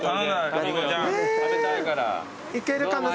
いけるかな。